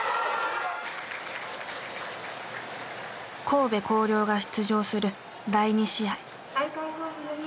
神戸弘陵が出場する第２試合。